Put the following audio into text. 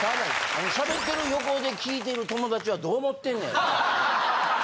あの喋ってる横で聞いてる友達はどう思ってんねやろ？